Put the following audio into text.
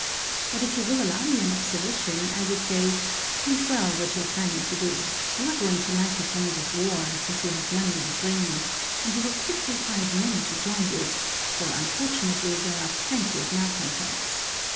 "But if you will allow me an observation, I would say: think well what you are planning to do you are going to light the flames of war, since you have money and brains, and you will quickly find many to join you, for unfortunately there are plenty of malcontents.